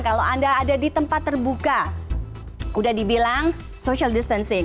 kalau anda ada di tempat terbuka sudah dibilang social distancing